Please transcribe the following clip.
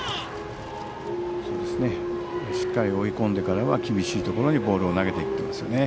しっかり追い込んでからは厳しいところにボールを投げていっていますね。